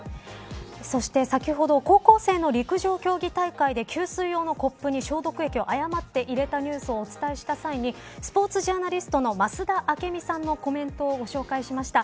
そして、先ほど高校生の陸上競技大会で給水用のコップに消毒液を誤って入れたニュースをお伝えした際にスポーツジャーナリストの増田明美さんのコメントをご紹介しました。